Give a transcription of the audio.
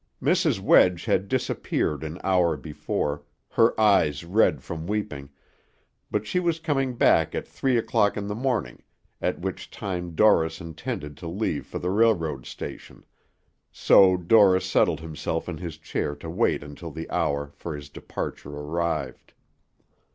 Mrs. Wedge had disappeared an hour before, her eyes red from weeping, but she was coming back at three o'clock in the morning, at which time Dorris intended to leave for the railroad station; so Dorris settled himself in his chair to wait until the hour for his departure arrived.